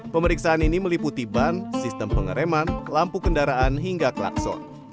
pemeriksaan ini meliputi ban sistem pengereman lampu kendaraan hingga klakson